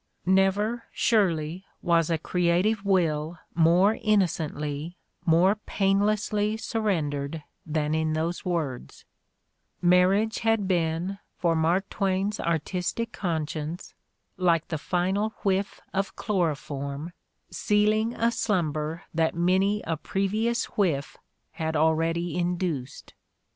Never, surely, was a creative will more innocently, more painlessly surrendered than in those words; marriage had been, for Mark Twain's artistic conscience, like the final whiff of chloroform sealing a slumber that many a previous whiff had already induced.